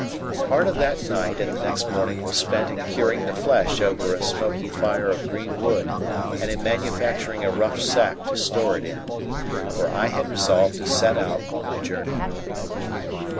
Part of that night and the next morning was spent in curing the flesh over a smoky fire of green wood and in manufacturing a rough sack to store it in, for I had resolved to set out on my journey.